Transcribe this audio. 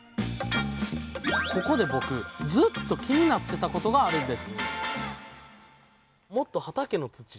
ここで僕ずっと気になってたことがあるんです